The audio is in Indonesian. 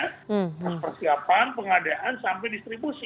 terus persiapan pengadaan sampai distribusi